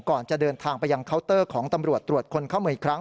ก่อนจะเดินทางไปยังเคาน์เตอร์ของตำรวจตรวจคนเข้าเมืองอีกครั้ง